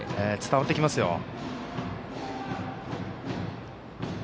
伝わってきますよ。